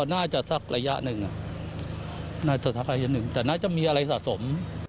สักระยะหนึ่งน่าจะทักภัยชั้นหนึ่งแต่น่าจะมีอะไรสะสม